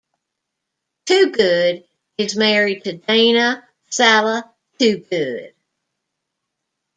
Toogood is married to Dana Salih Toogood.